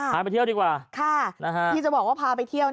ไปเที่ยวดีกว่าที่จะบอกว่าพาไปเที่ยว